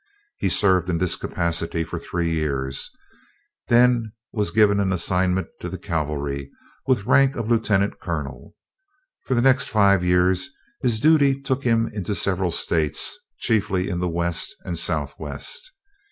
He served in this capacity for three years, then was given an assignment to the cavalry, with the rank of lieutenant colonel. For the next five years his duties took him into several states, chiefly in the West and Southwest.